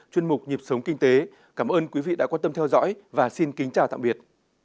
chuyên mục nhịp sống kinh tế cảm ơn quý vị đã quan tâm theo dõi và xin kính chào tạm biệt